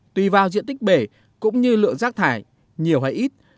tùy vào diện tích bể cũng như lượng rác thải nhiều hay ít